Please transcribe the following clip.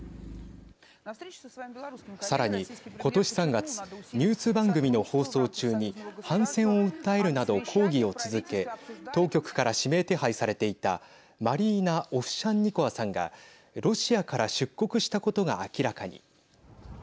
さらに今年３月ニュース番組の放送中に反戦を訴えるなど抗議を続け当局から指名手配されていたマリーナ・オフシャンニコワさんがロシアから出国したことが明らかに。